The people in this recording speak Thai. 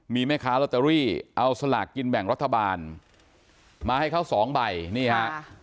มีแม่ค้าลอตเตอรี่เอาสลากกินแบ่งรัฐบาลมาให้เขาสองใบนี่ฮะ